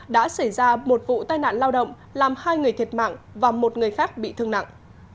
đã xảy ra một vụ tai nạn lao động làm hai người thiệt mạng và một người khác bị thương nặng